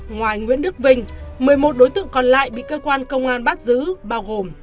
ngoài nguyễn đức vinh một mươi một đối tượng còn lại bị cơ quan công an bắt giữ bao gồm